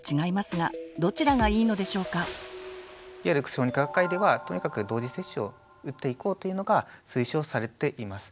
小児科学会ではとにかく同時接種を打っていこうというのが推奨されています。